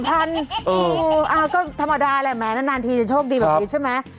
ก็ธรรมดาแหละแม้นานทีจะโชคดีแบบนี้ใช่ไหม